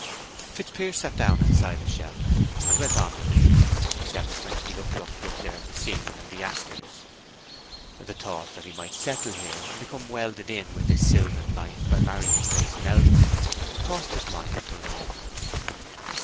Fitzpiers sat down inside the shelter, and went on with his reading, except when he looked up to observe the scene and the actors. The thought that he might settle here and become welded in with this sylvan life by marrying Grace Melbury crossed his mind for a moment.